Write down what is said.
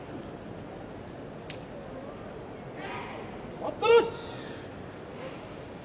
待ったなし。